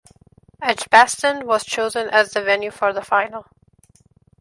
Edgbaston was chosen as the venue for the final.